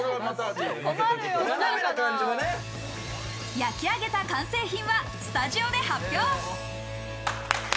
焼き上げた完成品はスタジオで発表。